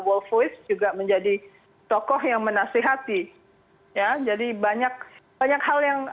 wolfowitz juga menjadi tokoh yang menasihati jadi banyak hal yang